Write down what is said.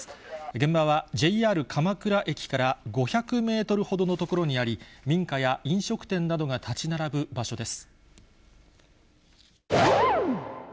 現場はＪＲ鎌倉駅から５００メートルほどの所にあり、民家や飲食店などが建ち並ぶ場所です。